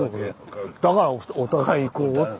だからお互い行こうって。